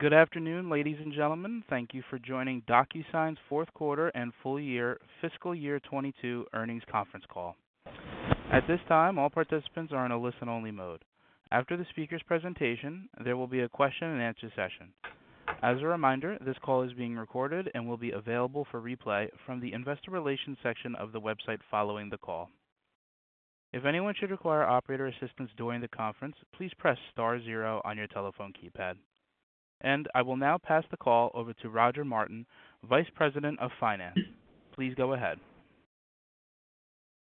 Good afternoon, ladies and gentlemen. Thank you for joining DocuSign's Fourth Quarter and Full Year Fiscal Year 2022 Earnings Conference Call. At this time, all participants are in a listen-only mode. After the speaker's presentation, there will be a question and answer session. As a reminder, this call is being recorded and will be available for replay from the investor relations section of the website following the call. If anyone should require operator assistance during the conference, please press star zero on your telephone keypad. I will now pass the call over to Roger Martin, Vice President of Finance. Please go ahead.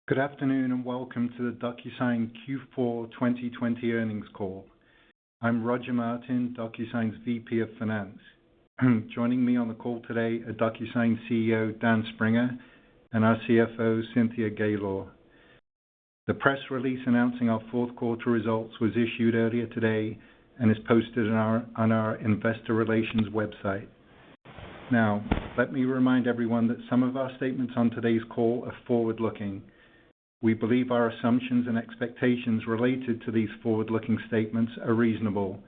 Good afternoon, and welcome to the DocuSign Q4 2022 Earnings Call. I'm Roger Martin, DocuSign's VP of Finance. Joining me on the call today are DocuSign's CEO, Dan Springer, and our CFO, Cynthia Gaylor. The press release announcing our fourth quarter results was issued earlier today and is posted on our investor relations website. Now, let me remind everyone that some of our statements on today's call are forward-looking. We believe our assumptions and expectations related to these forward-looking statements are reasonable,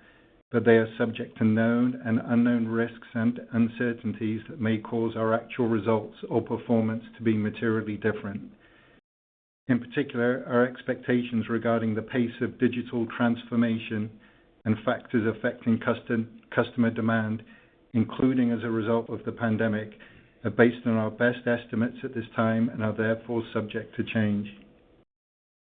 but they are subject to known and unknown risks and uncertainties that may cause our actual results or performance to be materially different. In particular, our expectations regarding the pace of digital transformation and factors affecting customer demand, including as a result of the pandemic, are based on our best estimates at this time and are therefore subject to change.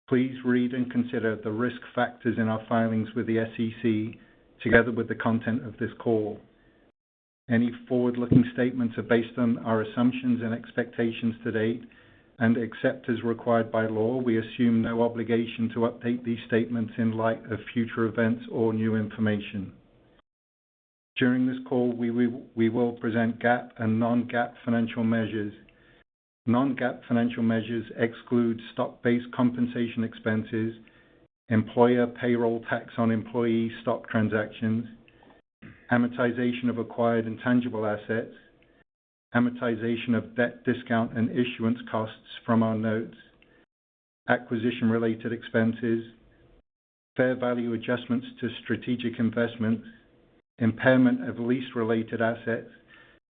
Please read and consider the risk factors in our filings with the SEC, together with the content of this call. Any forward-looking statements are based on our assumptions and expectations to date, and except as required by law, we assume no obligation to update these statements in light of future events or new information. During this call, we will present GAAP and non-GAAP financial measures. Non-GAAP financial measures exclude stock-based compensation expenses, employer payroll tax on employee stock transactions, amortization of acquired intangible assets, amortization of debt discount and issuance costs from our notes, acquisition-related expenses, fair value adjustments to strategic investments, impairment of lease-related assets,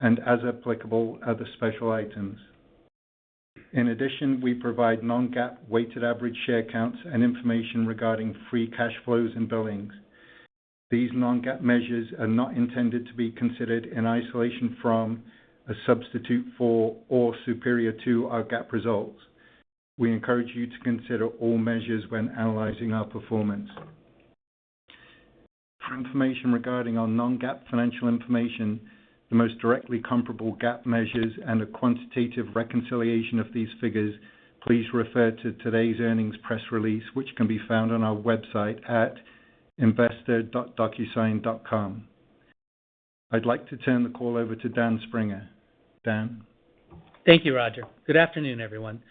and as applicable, other special items. In addition, we provide non-GAAP weighted average share counts and information regarding free cash flows and billings. These non-GAAP measures are not intended to be considered in isolation from a substitute for, or superior to our GAAP results. We encourage you to consider all measures when analyzing our performance. For information regarding our non-GAAP financial information, the most directly comparable GAAP measures, and a quantitative reconciliation of these figures, please refer to today's earnings press release, which can be found on our website at investor.docusign.com. I'd like to turn the call over to Dan Springer. Dan? Thank you, Roger. Good afternoon, everyone.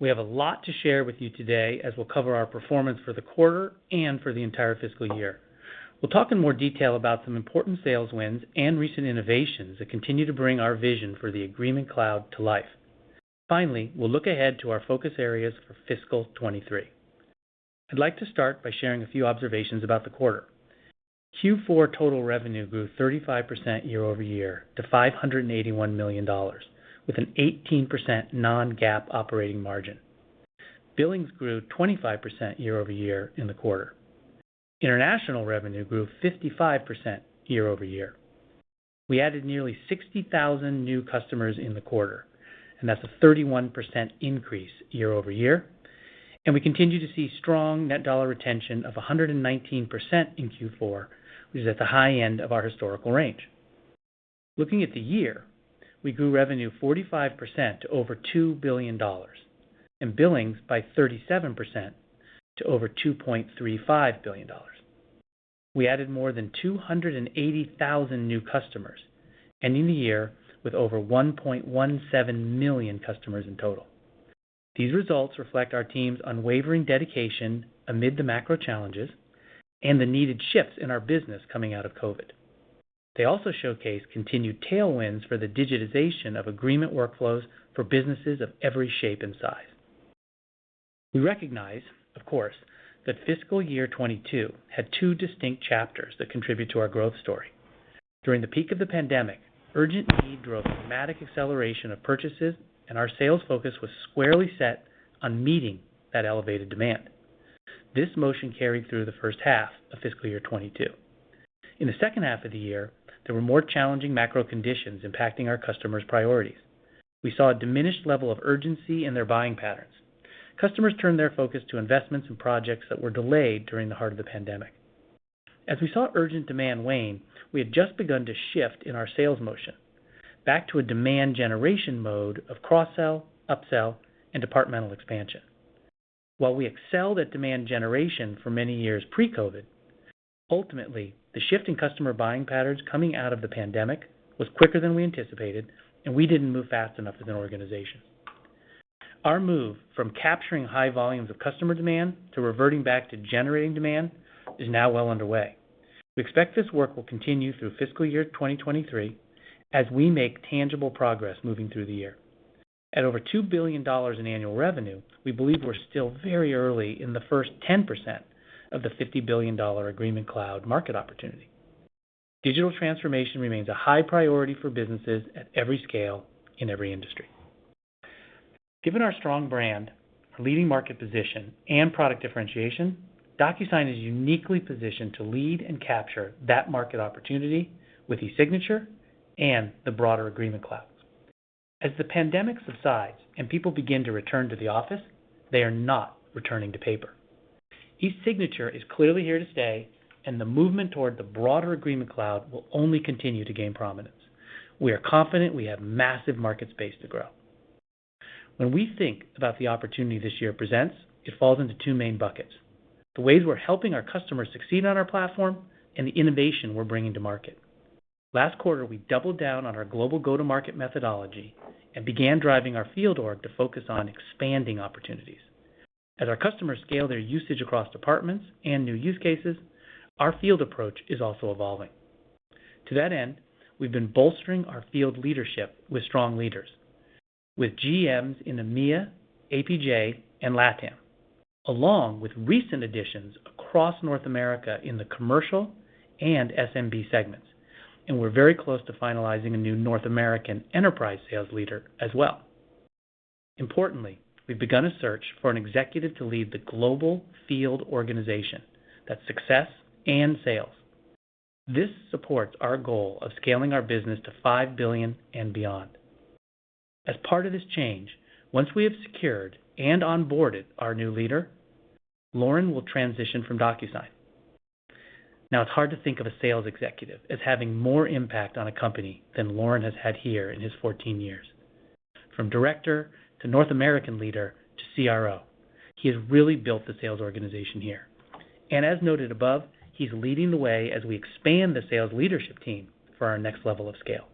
We have a lot to share with you today as we'll cover our performance for the quarter and for the entire fiscal year. We'll talk in more detail about some important sales wins and recent innovations that continue to bring our vision for the Agreement Cloud to life. Finally, we'll look ahead to our focus areas for fiscal 2023. I'd like to start by sharing a few observations about the quarter. Q4 total revenue grew 35% year-over-year to $581 million with an 18% non-GAAP operating margin. Billings grew 25% year-over-year in the quarter. International revenue grew 55% year-over-year. We added nearly 60,000 new customers in the quarter, and that's a 31% increase year-over-year. We continue to see strong dollar net retention of 119% in Q4, which is at the high end of our historical range. Looking at the year, we grew revenue 45% to over $2 billion and billings by 37% to over $2.35 billion. We added more than 280,000 new customers, ending the year with over 1.17 million customers in total. These results reflect our team's unwavering dedication amid the macro challenges and the needed shifts in our business coming out of COVID. They also showcase continued tailwinds for the digitization of agreement workflows for businesses of every shape and size. We recognize, of course, that fiscal year 2022 had two distinct chapters that contribute to our growth story. During the peak of the pandemic, urgent need drove a dramatic acceleration of purchases, and our sales focus was squarely set on meeting that elevated demand. This motion carried through the first half of fiscal year 2022. In the second half of the year, there were more challenging macro conditions impacting our customers' priorities. We saw a diminished level of urgency in their buying patterns. Customers turned their focus to investments and projects that were delayed during the heart of the pandemic. As we saw urgent demand wane, we had just begun to shift in our sales motion back to a demand generation mode of cross-sell, up-sell, and departmental expansion. While we excelled at demand generation for many years pre-COVID, ultimately, the shift in customer buying patterns coming out of the pandemic was quicker than we anticipated, and we didn't move fast enough as an organization. Our move from capturing high volumes of customer demand to reverting back to generating demand is now well underway. We expect this work will continue through fiscal year 2023 as we make tangible progress moving through the year. At over $2 billion in annual revenue, we believe we're still very early in the first 10% of the $50 billion Agreement Cloud market opportunity. Digital transformation remains a high priority for businesses at every scale in every industry. Given our strong brand, our leading market position, and product differentiation, DocuSign is uniquely positioned to lead and capture that market opportunity with eSignature and the broader Agreement Cloud. As the pandemic subsides and people begin to return to the office, they are not returning to paper. eSignature is clearly here to stay, and the movement toward the broader Agreement Cloud will only continue to gain prominence. We are confident we have massive market space to grow. When we think about the opportunity this year presents, it falls into two main buckets, the ways we're helping our customers succeed on our platform and the innovation we're bringing to market. Last quarter, we doubled down on our global go-to-market methodology and began driving our field org to focus on expanding opportunities. As our customers scale their usage across departments and new use cases, our field approach is also evolving. To that end, we've been bolstering our field leadership with strong leaders, with GMs in EMEA, APJ, and LATAM, along with recent additions across North America in the commercial and SMB segments. We're very close to finalizing a new North American enterprise sales leader as well. Importantly, we've begun a search for an executive to lead the global field organization, that's success and sales. This supports our goal of scaling our business to $5 billion and beyond. As part of this change, once we have secured and onboarded our new leader, Loren will transition from DocuSign. Now, it's hard to think of a sales executive as having more impact on a company than Loren has had here in his 14 years. From director to North American leader to CRO, he has really built the sales organization here. As noted above, he's leading the way as we expand the sales leadership team for our next level of scale.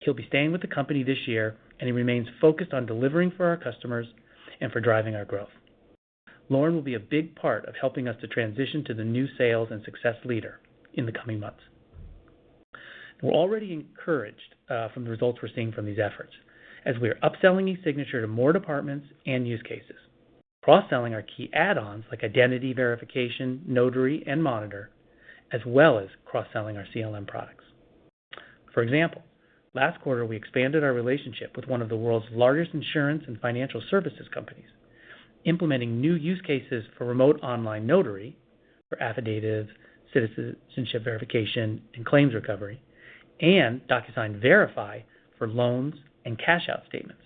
He'll be staying with the company this year, and he remains focused on delivering for our customers and for driving our growth. Loren will be a big part of helping us to transition to the new sales and success leader in the coming months. We're already encouraged from the results we're seeing from these efforts, as we are upselling eSignature to more departments and use cases, cross-selling our key add-ons like identity verification, notary, and monitor, as well as cross-selling our CLM products. For example, last quarter, we expanded our relationship with one of the world's largest Insurance and Financial services companies, implementing new use cases for remote online notary for affidavit, citizenship verification, and claims recovery, and DocuSign Verify for loans and cash-out statements.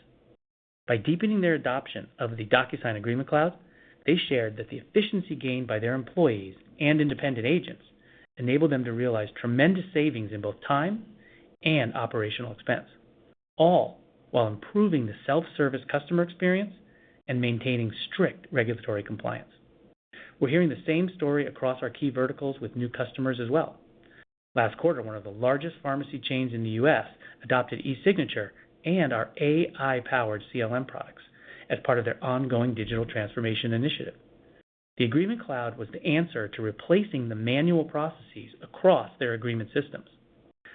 By deepening their adoption of the DocuSign Agreement Cloud, they shared that the efficiency gained by their employees and independent agents enabled them to realize tremendous savings in both time and operational expense, all while improving the self-service customer experience and maintaining strict regulatory compliance. We're hearing the same story across our key verticals with new customers as well. Last quarter, one of the largest pharmacy chains in the U.S. adopted eSignature and our AI-powered CLM products as part of their ongoing digital transformation initiative. The Agreement Cloud was the answer to replacing the manual processes across their agreement systems,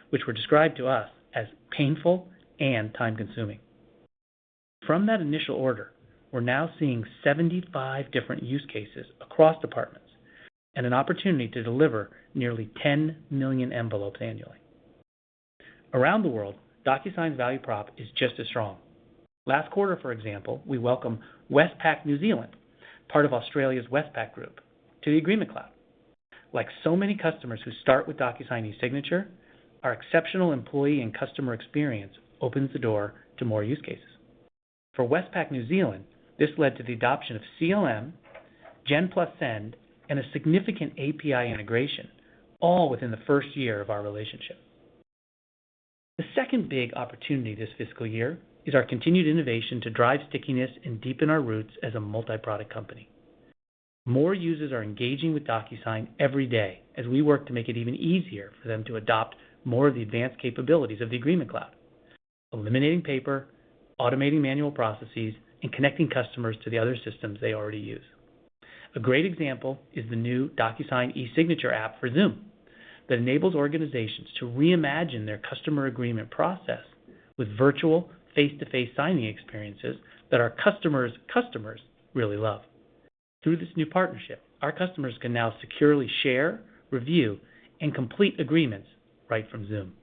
which were described to us as painful and time-consuming. From that initial order, we're now seeing 75 different use cases across departments and an opportunity to deliver nearly 10 million envelopes annually. Around the world, DocuSign's value prop is just as strong. Last quarter, for example, we welcomed Westpac New Zealand, part of Australia's Westpac Group, to the Agreement Cloud. Like so many customers who start with DocuSign eSignature, our exceptional employee and customer experience opens the door to more use cases. For Westpac New Zealand, this led to the adoption of CLM, Gen & Send, and a significant API integration, all within the first year of our relationship. The second big opportunity this fiscal year is our continued innovation to drive stickiness and deepen our roots as a multi-product company. More users are engaging with DocuSign every day as we work to make it even easier for them to adopt more of the advanced capabilities of the Agreement Cloud, eliminating paper, automating manual processes, and connecting customers to the other systems they already use. A great example is the new DocuSign eSignature app for Zoom that enables organizations to reimagine their customer agreement process with virtual face-to-face signing experiences that our customers' customers really love. Through this new partnership, our customers can now securely share, review, and complete agreements right from Zoom.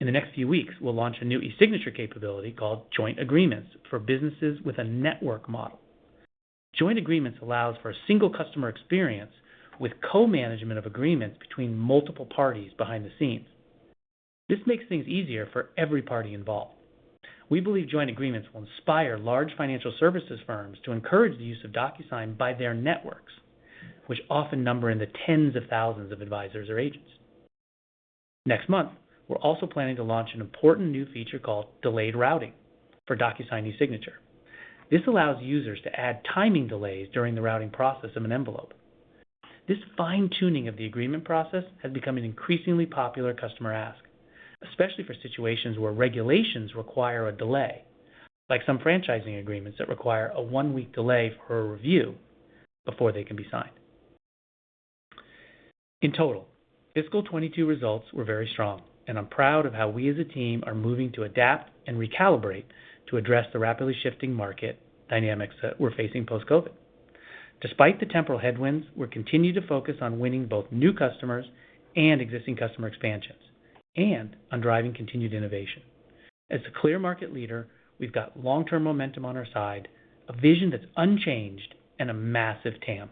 In the next few weeks, we'll launch a new eSignature capability called Joint Agreements for businesses with a network model. Joint Agreements allows for a single customer experience with co-management of agreements between multiple parties behind the scenes. This makes things easier for every party involved. We believe Joint Agreements will inspire large Financial services firms to encourage the use of DocuSign by their networks, which often number in the tens of thousands of advisors or agents. Next month, we're also planning to launch an important new feature called Delayed Routing for DocuSign eSignature. This allows users to add timing delays during the routing process of an envelope. This fine-tuning of the agreement process has become an increasingly popular customer ask, especially for situations where regulations require a delay, like some franchising agreements that require a one-week delay for a review before they can be signed. In total, fiscal 2022 results were very strong, and I'm proud of how we as a team are moving to adapt and recalibrate to address the rapidly shifting market dynamics that we're facing post-COVID. Despite the temporal headwinds, we're continuing to focus on winning both new customers and existing customer expansions and on driving continued innovation. As a clear market leader, we've got long-term momentum on our side, a vision that's unchanged, and a massive TAM.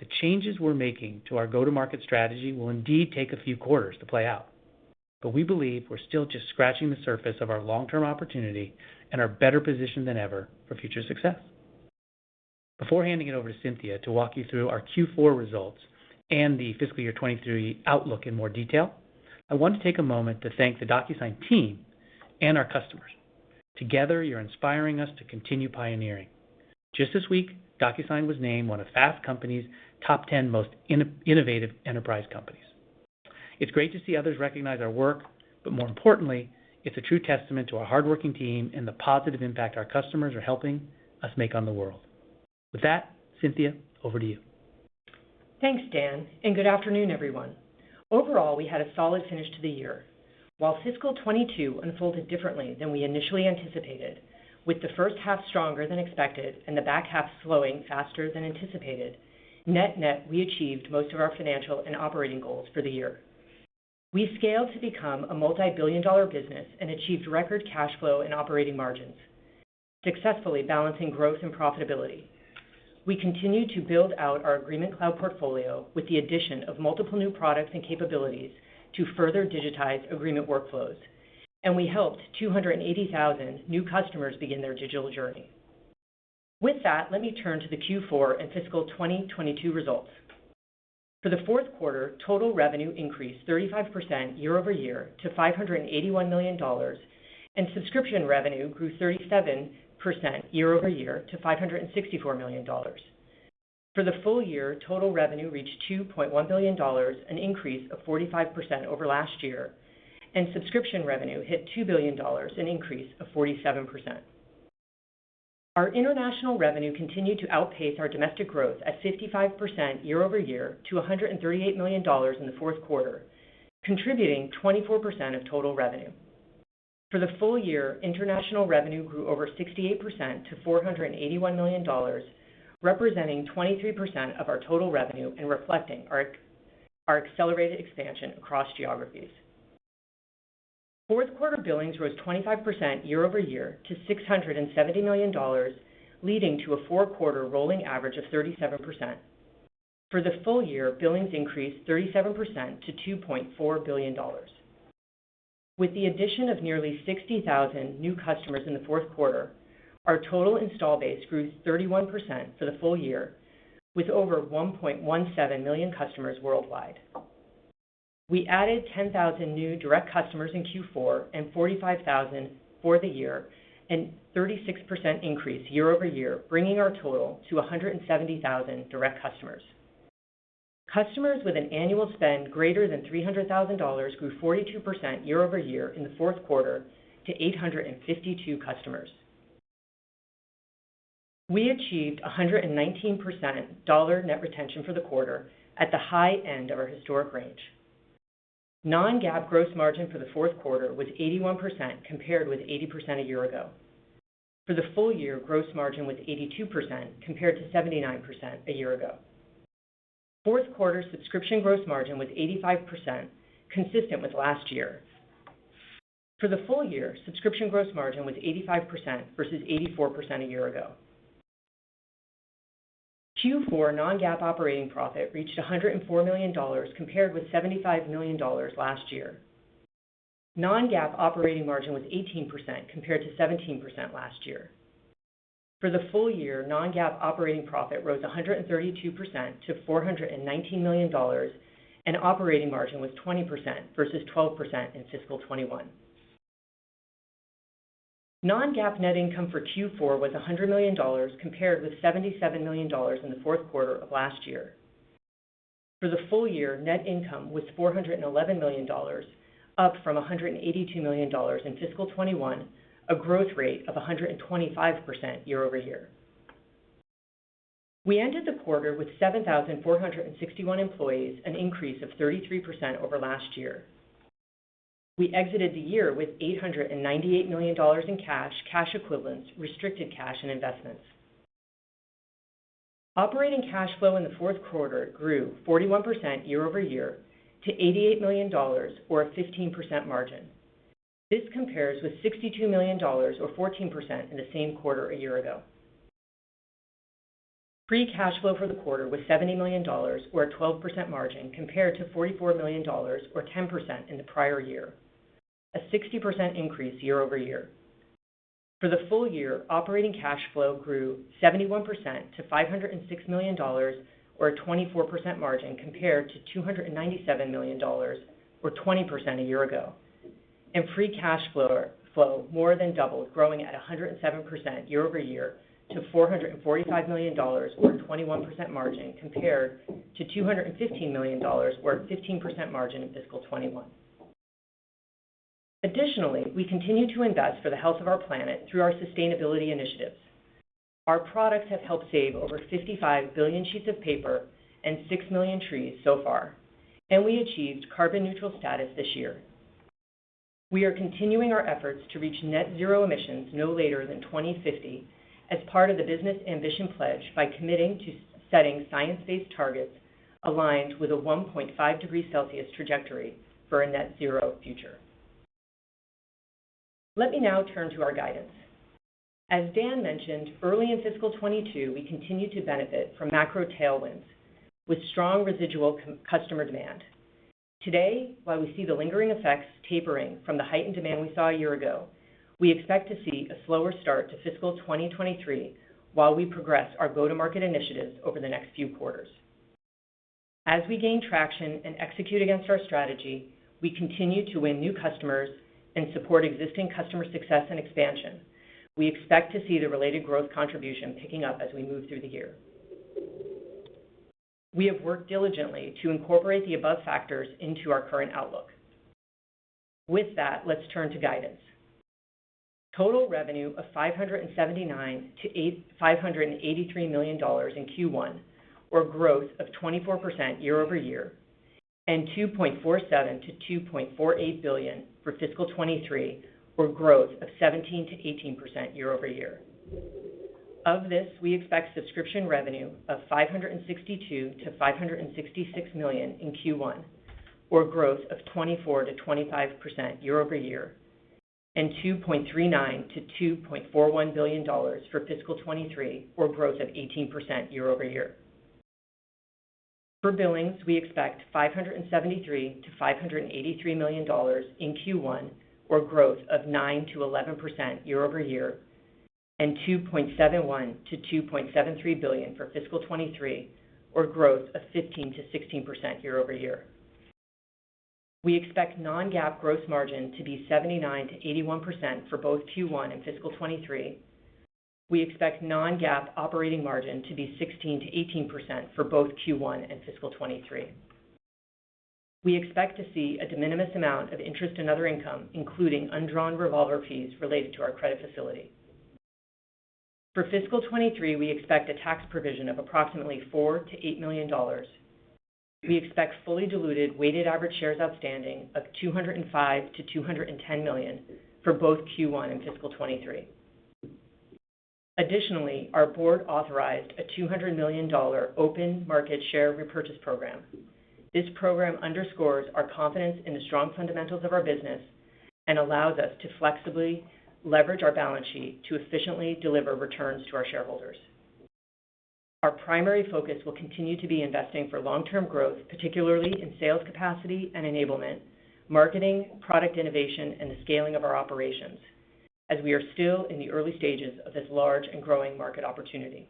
The changes we're making to our go-to-market strategy will indeed take a few quarters to play out, but we believe we're still just scratching the surface of our long-term opportunity and are better positioned than ever for future success. Before handing it over to Cynthia to walk you through our Q4 results and the fiscal year 2023 outlook in more detail, I want to take a moment to thank the DocuSign team and our customers. Together, you're inspiring us to continue pioneering. Just this week, DocuSign was named one of Fast Company's top 10 most innovative enterprise companies. It's great to see others recognize our work, but more importantly, it's a true testament to our hardworking team and the positive impact our customers are helping us make on the world. With that, Cynthia, over to you. Thanks, Dan, and good afternoon, everyone. Overall, we had a solid finish to the year. While fiscal 2022 unfolded differently than we initially anticipated, with the first half stronger than expected and the back half slowing faster than anticipated, net, we achieved most of our financial and operating goals for the year. We scaled to become a multi-billion dollar business and achieved record cash flow and operating margins, successfully balancing growth and profitability. We continued to build out our Agreement Cloud portfolio with the addition of multiple new products and capabilities to further digitize agreement workflows, and we helped 280,000 new customers begin their digital journey. With that, let me turn to the Q4 and fiscal 2022 results. For the fourth quarter, total revenue increased 35% year-over-year to $581 million, and subscription revenue grew 37% year-over-year to $564 million. For the full year, total revenue reached $2.1 billion, an increase of 45% over last year, and subscription revenue hit $2 billion, an increase of 47%. Our international revenue continued to outpace our domestic growth at 55% year-over-year to $138 million in the fourth quarter, contributing 24% of total revenue. For the full year, international revenue grew over 68% to $481 million, representing 23% of our total revenue and reflecting our accelerated expansion across geographies. Fourth quarter billings rose 25% year-over-year to $670 million, leading to a four-quarter rolling average of 37%. For the full year, billings increased 37% to $2.4 billion. With the addition of nearly 60,000 new customers in the fourth quarter, our total install base grew 31% for the full year, with over 1.17 million customers worldwide. We added 10,000 new direct customers in Q4 and 45,000 for the year, a 36% increase year-over-year, bringing our total to 170,000 direct customers. Customers with an annual spend greater than $300,000 grew 42% year-over-year in the fourth quarter to 852 customers. We achieved 119% dollar net retention for the quarter at the high end of our historic range. Non-GAAP gross margin for the fourth quarter was 81%, compared with 80% a year ago. For the full year, gross margin was 82%, compared to 79% a year ago. Fourth quarter subscription gross margin was 85%, consistent with last year. For the full year, subscription gross margin was 85% versus 84% a year ago. Q4 non-GAAP operating profit reached $104 million, compared with $75 million last year. Non-GAAP operating margin was 18%, compared to 17% last year. For the full year, non-GAAP operating profit rose 132% to $419 million, and operating margin was 20% versus 12% in fiscal 2021. Non-GAAP net income for Q4 was $100 million, compared with $77 million in the fourth quarter of last year. For the full year, net income was $411 million, up from $182 million in fiscal 2021, a growth rate of 125% year-over-year. We ended the quarter with 7,461 employees, an increase of 33% over last year. We exited the year with $898 million in cash equivalents, restricted cash, and investments. Operating cash flow in the fourth quarter grew 41% year-over-year to $88 million or a 15% margin. This compares with $62 million or 14% in the same quarter a year ago. Free cash flow for the quarter was $70 million or a 12% margin, compared to $44 million or 10% in the prior year, a 60% increase year-over-year. For the full year, operating cash flow grew 71% to $506 million or a 24% margin, compared to $297 million or 20% a year ago. Free cash flow more than doubled, growing at a 107% year-over-year to $445 million or a 21% margin, compared to $215 million or a 15% margin in fiscal 2021. Additionally, we continue to invest for the health of our planet through our sustainability initiatives. Our products have helped save over 55 billion sheets of paper and 6 million trees so far, and we achieved carbon neutral status this year. We are continuing our efforts to reach net-zero emissions no later than 2050 as part of the Business Ambition Pledge by committing to setting science-based targets aligned with a 1.5 degrees Celsius trajectory for a net-zero future. Let me now turn to our guidance. As Dan mentioned, early in fiscal 2022, we continued to benefit from macro tailwinds with strong residual customer demand. Today, while we see the lingering effects tapering from the heightened demand we saw a year ago, we expect to see a slower start to fiscal 2023 while we progress our go-to-market initiatives over the next few quarters. As we gain traction and execute against our strategy, we continue to win new customers and support existing customer success and expansion. We expect to see the related growth contribution picking up as we move through the year. We have worked diligently to incorporate the above factors into our current outlook. With that, let's turn to guidance. Total revenue of $579 million-$583 million in Q1 or growth of 24% year-over-year, and $2.47 billion-$2.48 billion for fiscal 2023 or growth of 17%-18% year-over-year. Of this, we expect subscription revenue of $562 million-$566 million in Q1 or growth of 24%-25% year-over-year, and $2.39 billion-$2.41 billion for fiscal 2023 or growth of 18% year-over-year. For billings, we expect $573 million-$583 million in Q1 or growth of 9%-11% year-over-year, and $2.71 billion-$2.73 billion for fiscal 2023 or growth of 15%-16% year-over-year. We expect non-GAAP gross margin to be 79%-81% for both Q1 and fiscal 2023. We expect non-GAAP operating margin to be 16%-18% for both Q1 and fiscal 2023. We expect to see a de minimis amount of interest in other income, including undrawn revolver fees related to our credit facility. For FY 2023, we expect a tax provision of approximately $4 million-$8 million. We expect fully diluted weighted average shares outstanding of 205 million-210 million for both Q1 and FY 2023. Additionally, our board authorized a $200 million open market share repurchase program. This program underscores our confidence in the strong fundamentals of our business and allows us to flexibly leverage our balance sheet to efficiently deliver returns to our shareholders. Our primary focus will continue to be investing for long-term growth, particularly in sales capacity and enablement, marketing, product innovation, and the scaling of our operations, as we are still in the early stages of this large and growing market opportunity.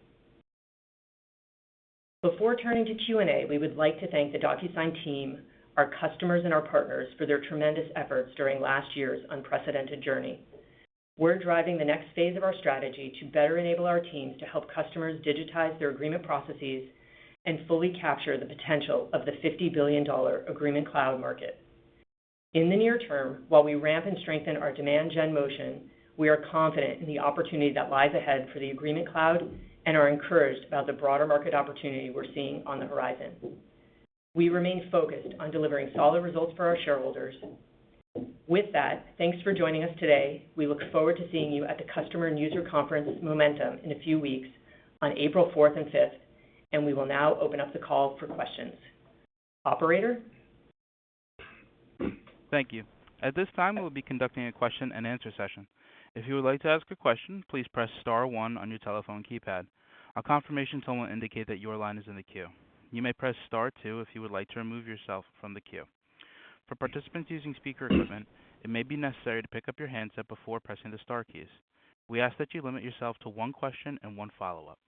Before turning to Q&A, we would like to thank the DocuSign team, our customers, and our partners for their tremendous efforts during last year's unprecedented journey. We're driving the next phase of our strategy to better enable our teams to help customers digitize their agreement processes and fully capture the potential of the $50 billion Agreement Cloud market. In the near term, while we ramp and strengthen our demand gen motion, we are confident in the opportunity that lies ahead for the Agreement Cloud and are encouraged about the broader market opportunity we're seeing on the horizon. We remain focused on delivering solid results for our shareholders. With that, thanks for joining us today. We look forward to seeing you at the customer and user conference, Momentum, in a few weeks on April fourth and fifth, and we will now open up the call for questions. Operator? Thank you. At this time, we'll be conducting a question and answer session. If you would like to ask a question, please press star one on your telephone keypad. A confirmation tone will indicate that your line is in the queue. You may press star two if you would like to remove yourself from the queue. For participants using speaker equipment, it may be necessary to pick up your handset before pressing the star keys. We ask that you limit yourself to one question and one follow-up.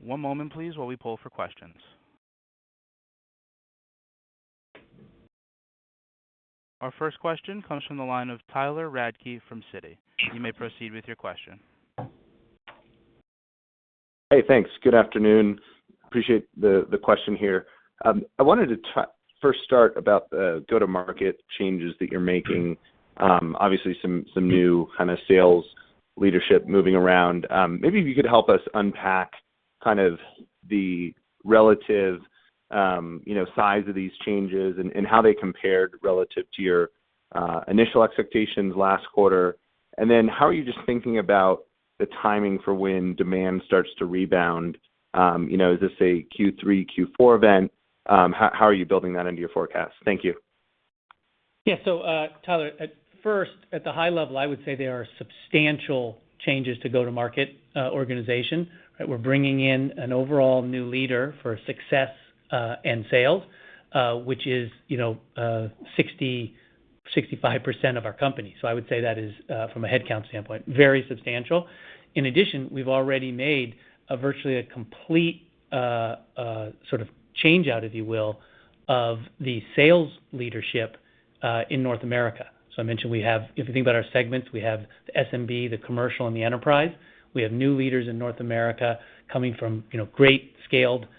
One moment, please, while we poll for questions. Our first question comes from the line of Tyler Radke from Citi. You may proceed with your question. Hey, thanks. Good afternoon. Appreciate the question here. I wanted to first start about the go-to-market changes that you're making. Obviously some new, kind of, sales leadership moving around. Maybe if you could help us unpack, kind of, the relative, you know, size of these changes and how they compared relative to your initial expectations last quarter. How are you just thinking about the timing for when demand starts to rebound? You know, is this a Q3, Q4 event? How are you building that into your forecast? Thank you. Tyler, at first, at the high level, I would say there are substantial changes to go-to-market organization. We're bringing in an overall new leader for success and sales. Which is, you know, 65% of our company. I would say that is, from a headcount standpoint, very substantial. In addition, we've already made a virtually complete, sort of change out, if you will, of the sales leadership, in North America. I mentioned we have. If you think about our segments, we have the SMB, the Commercial, and the Enterprise. We have new leaders in North America coming from, you know, great scaled, companies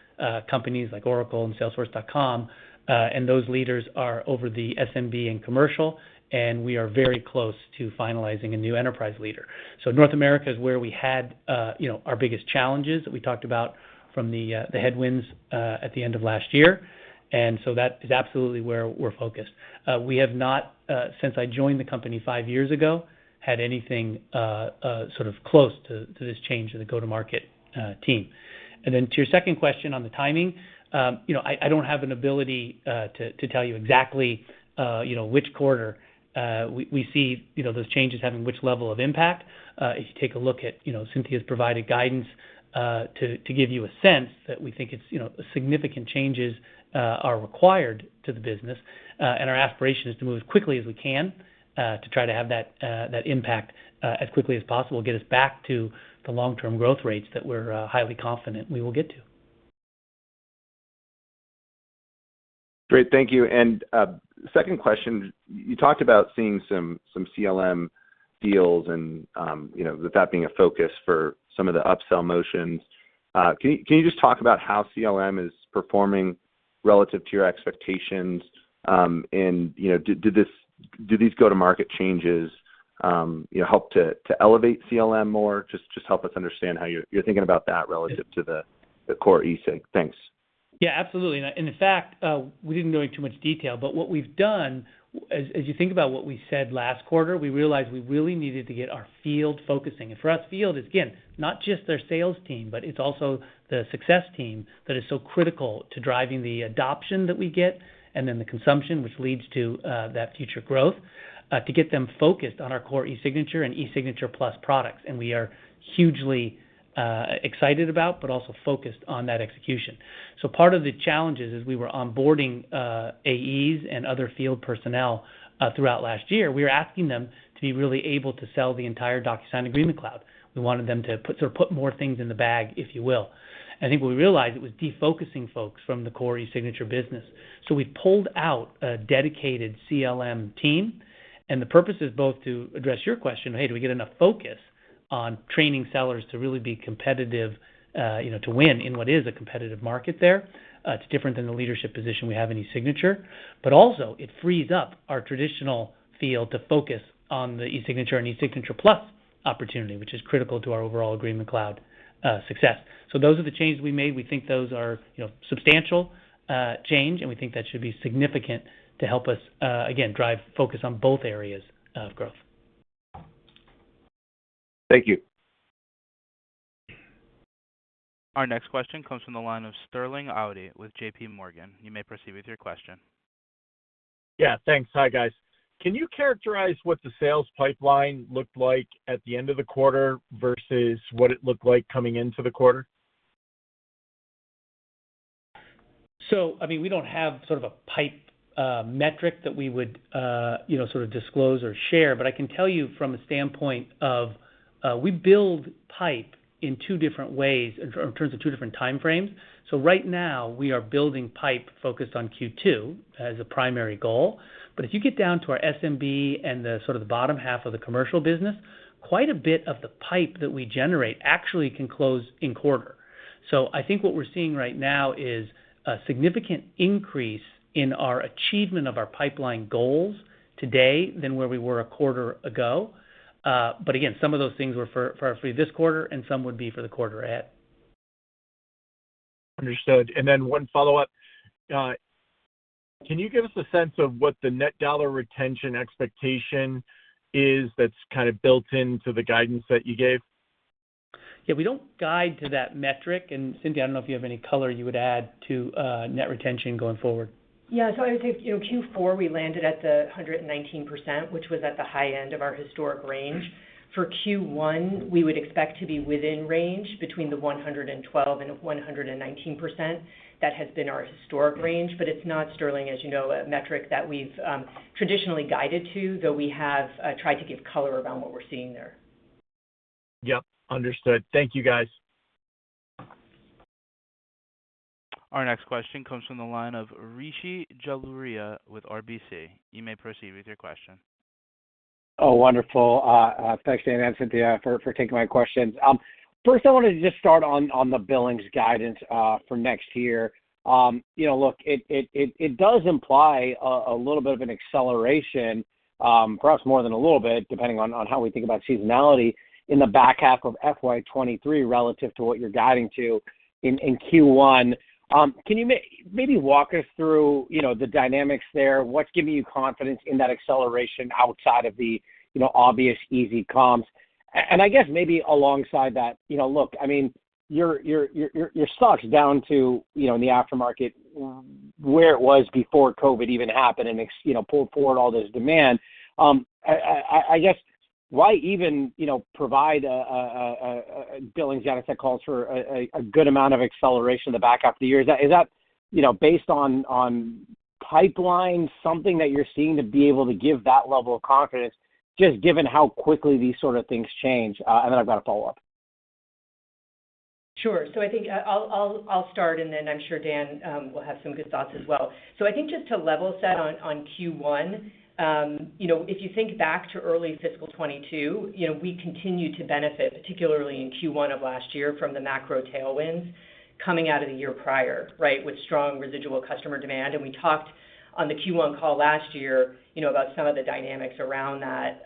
like Oracle and Salesforce.com, and those leaders are over the SMB and Commercial, and we are very close to finalizing a new Enterprise leader. North America is where we had, you know, our biggest challenges that we talked about from the headwinds, at the end of last year. that is absolutely where we're focused. We have not, since I joined the company five years ago, had anything sort of close to this change in the go-to-market team. To your second question on the timing, you know, I don't have an ability to tell you exactly, you know, which quarter we see, you know, those changes having which level of impact. If you take a look at, you know, Cynthia's provided guidance to give you a sense that we think it's, you know, significant changes are required to the business, and our aspiration is to move as quickly as we can to try to have that impact as quickly as possible, get us back to the long-term growth rates that we're highly confident we will get to. Great. Thank you. Second question, you talked about seeing some CLM deals, you know, with that being a focus for some of the upsell motions. Can you just talk about how CLM is performing relative to your expectations? You know, do these go-to-market changes, you know, help to elevate CLM more? Just help us understand how you're thinking about that relative to the core eSig. Thanks. Yeah, absolutely. In fact, we didn't go into too much detail, but what we've done, as you think about what we said last quarter, we realized we really needed to get our field focusing. For us, field is, again, not just their sales team, but it's also the success team that is so critical to driving the adoption that we get and then the consumption which leads to that future growth to get them focused on our core eSignature and eSignature Plus products. We are hugely excited about but also focused on that execution. Part of the challenge is, as we were onboarding AEs and other field personnel throughout last year, we were asking them to be really able to sell the entire DocuSign Agreement Cloud. Put more things in the bag, if you will. I think what we realized it was defocusing folks from the core eSignature business. We pulled out a dedicated CLM team, and the purpose is both to address your question, hey, do we get enough focus on training sellers to really be competitive, you know, to win in what is a competitive market there? It's different than the leadership position we have in eSignature. Also it frees up our traditional field to focus on the eSignature and eSignature Plus opportunity, which is critical to our overall Agreement Cloud success. Those are the changes we made. We think those are, you know, substantial change, and we think that should be significant to help us, again, drive focus on both areas of growth. Thank you. Our next question comes from the line of Sterling Auty with JPMorgan. You may proceed with your question. Yeah, thanks. Hi, guys. Can you characterize what the sales pipeline looked like at the end of the quarter versus what it looked like coming into the quarter? I mean, we don't have sort of a pipe metric that we would you know sort of disclose or share, but I can tell you from a standpoint of we build pipe in two different ways in terms of two different time frames. Right now, we are building pipe focused on Q2 as a primary goal. If you get down to our SMB and the sort of the bottom half of the commercial business, quite a bit of the pipe that we generate actually can close in quarter. I think what we're seeing right now is a significant increase in our achievement of our pipeline goals today than where we were a quarter ago. Again, some of those things were for this quarter and some would be for the quarter ahead. Understood. One follow-up. Can you give us a sense of what the dollar net retention expectation is that's kind of built into the guidance that you gave? Yeah. We don't guide to that metric. Cynthia, I don't know if you have any color you would add to net retention going forward. Yeah. I would say, you know, Q4, we landed at 119%, which was at the high end of our historic range. For Q1, we would expect to be within range between 112% and 119%. That has been our historic range, but it's not, Sterling, as you know, a metric that we've traditionally guided to, though we have tried to give color around what we're seeing there. Yep. Understood. Thank you, guys. Our next question comes from the line of Rishi Jaluria with RBC. You may proceed with your question. Oh, wonderful. Thanks, Dan and Cynthia, for taking my questions. First, I wanted to just start on the billings guidance for next year. You know, look, it does imply a little bit of an acceleration, perhaps more than a little bit, depending on how we think about seasonality in the back half of FY 2023 relative to what you're guiding to in Q1. Can you maybe walk us through the dynamics there? What's giving you confidence in that acceleration outside of the obvious easy comps? I guess maybe alongside that, you know, look, I mean, your stock down to in the aftermarket where it was before COVID even happened and it's pulled forward all this demand. Why even, you know, provide a billing guidance that calls for a good amount of acceleration of the back half of the year? Is that, you know, based on pipeline, something that you're seeing to be able to give that level of confidence, just given how quickly these sort of things change? I've got a follow-up. Sure. I think I'll start, and then I'm sure Dan will have some good thoughts as well. I think just to level set on Q1, you know, if you think back to early fiscal 2022, you know, we continued to benefit, particularly in Q1 of last year from the macro tailwinds coming out of the year prior, right, with strong residual customer demand. We talked on the Q1 call last year, you know, about some of the dynamics around that,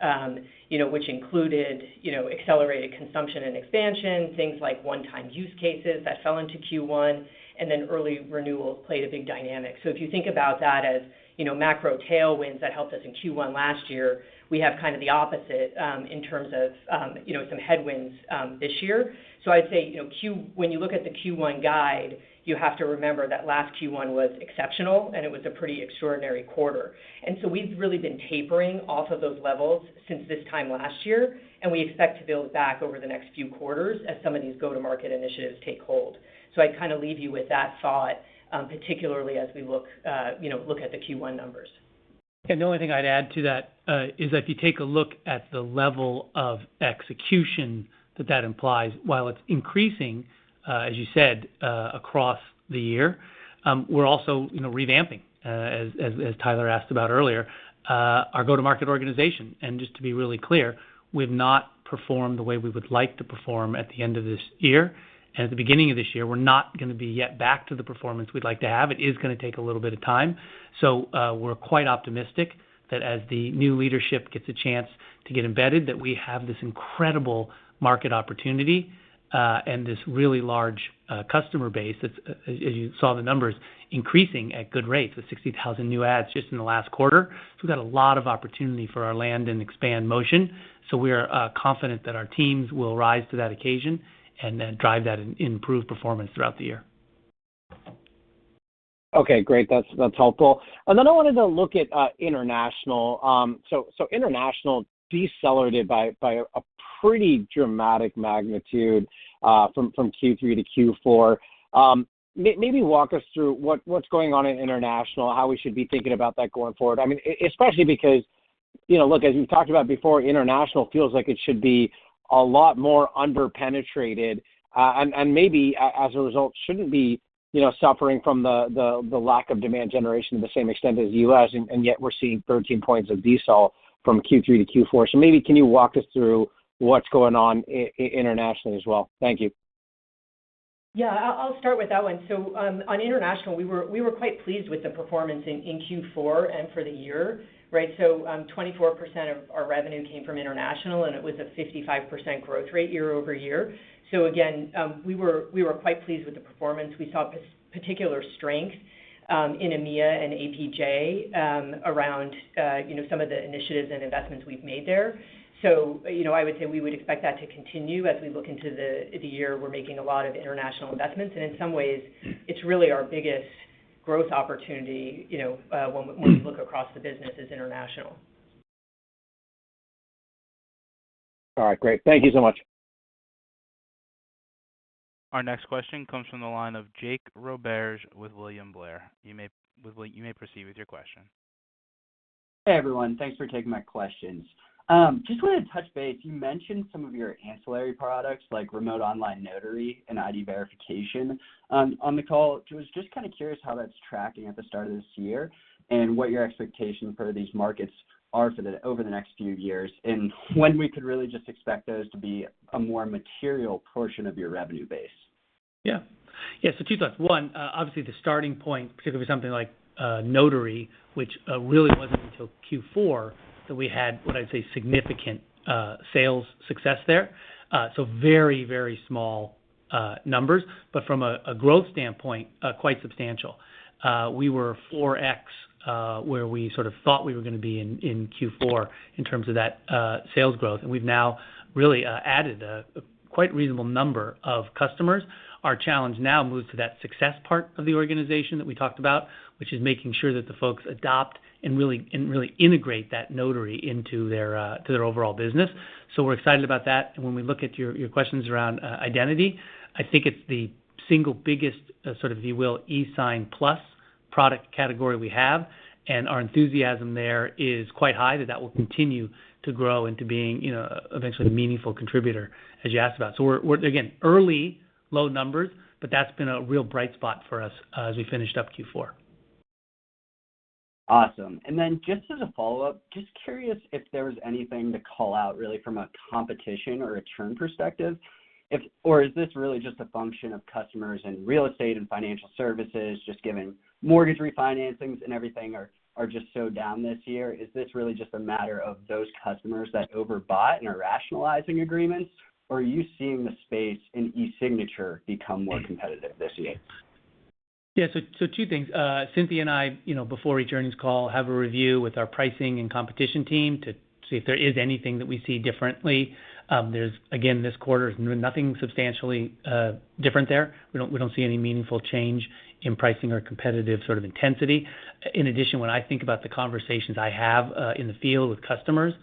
you know, which included, you know, accelerated consumption and expansion, things like one-time use cases that fell into Q1, and then early renewals played a big dynamic. If you think about that as, you know, macro tailwinds that helped us in Q1 last year, we have kind of the opposite in terms of, you know, some headwinds this year. I'd say, you know, when you look at the Q1 guide, you have to remember that last Q1 was exceptional, and it was a pretty extraordinary quarter. We've really been tapering off of those levels since this time last year, and we expect to build back over the next few quarters as some of these go-to-market initiatives take hold. I'd kind of leave you with that thought, particularly as we look, you know, at the Q1 numbers. The only thing I'd add to that is if you take a look at the level of execution that that implies, while it's increasing, as you said, across the year, we're also, you know, revamping, as Tyler asked about earlier, our go-to-market organization. Just to be really clear, we've not performed the way we would like to perform at the end of this year and at the beginning of this year. We're not gonna be yet back to the performance we'd like to have. It is gonna take a little bit of time. We're quite optimistic that as the new leadership gets a chance to get embedded, that we have this incredible market opportunity, and this really large customer base that's as you saw the numbers increasing at good rates, with 60,000 new adds just in the last quarter. We've got a lot of opportunity for our land and expand motion, so we are confident that our teams will rise to that occasion and then drive that improved performance throughout the year. Okay, great. That's helpful. I wanted to look at international. International decelerated by a pretty dramatic magnitude from Q3 to Q4. Maybe walk us through what's going on in international, how we should be thinking about that going forward. I mean, especially because, you know, look, as we've talked about before, international feels like it should be a lot more under-penetrated, and maybe as a result shouldn't be, you know, suffering from the lack of demand generation to the same extent as U.S., and yet we're seeing 13 points of decel from Q3 to Q4. Maybe can you walk us through what's going on internationally as well? Thank you. Yeah. I'll start with that one. On international, we were quite pleased with the performance in Q4 and for the year, right? 24% of our revenue came from international, and it was a 55% growth rate year-over-year. Again, we were quite pleased with the performance. We saw particular strength in EMEA and APJ around you know, some of the initiatives and investments we've made there. You know, I would say we would expect that to continue as we look into the year. We're making a lot of international investments, and in some ways, it's really our biggest growth opportunity, you know, when we look across the business as international. All right, great. Thank you so much. Our next question comes from the line of Jake Roberge with William Blair. You may proceed with your question. Hey, everyone. Thanks for taking my questions. Just wanted to touch base. You mentioned some of your ancillary products like remote online notary and ID verification on the call. I was just kinda curious how that's tracking at the start of this year and what your expectations for these markets are over the next few years, and when we could really just expect those to be a more material portion of your revenue base. Yeah. Yeah. Two thoughts. One, obviously the starting point, particularly something like notary, which really wasn't until Q4 that we had what I'd say significant sales success there. Very, very small numbers, but from a growth standpoint, quite substantial. We were 4x where we sort of thought we were gonna be in Q4 in terms of that sales growth, and we've now really added a quite reasonable number of customers. Our challenge now moves to that success part of the organization that we talked about, which is making sure that the folks adopt and really integrate that notary into their overall business. We're excited about that. When we look at your questions around identity, I think it's the single biggest sort of, if you will, eSignature Plus product category we have, and our enthusiasm there is quite high that will continue to grow into being, you know, eventually a meaningful contributor as you asked about. We're again early low numbers, but that's been a real bright spot for us as we finished up Q4. Awesome. Just as a follow-up, just curious if there was anything to call out really from a competition or a churn perspective. Is this really just a function of customers in Real Estate and Financial services just given mortgage refinancings and everything are just so down this year? Is this really just a matter of those customers that overbought and are rationalizing agreements, or are you seeing the space in eSignature become more competitive this year? Yes. Two things. Cynthia and I, you know, before each earnings call, have a review with our pricing and competition team to see if there is anything that we see differently. Again, this quarter, nothing substantially different there. We don't see any meaningful change in pricing or competitive sort of intensity. In addition, when I think about the conversations I have in the field with customers,